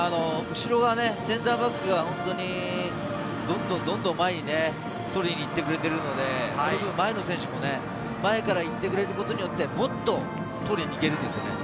センターバックが本当にどんどんどんどん、前に取りにいってくれているので、前の選手も前から行ってくれることによって、もっと取りに行けるんですよね。